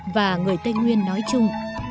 và người tây nguyên nói chung